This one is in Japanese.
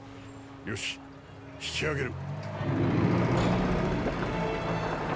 よし引き揚げる。